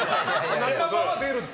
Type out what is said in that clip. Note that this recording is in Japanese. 半ばは出るって。